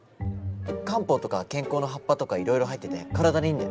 漢方とか健康な葉っぱとかいろいろ入ってて体にいいんだよ。